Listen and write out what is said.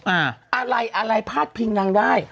อะไรอะไรพาดพิงนางได้